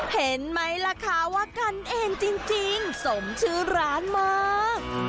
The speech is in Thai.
เห็นไหมล่ะคะว่ากันเองจริงสมชื่อร้านมาก